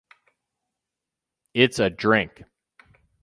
It's a drink.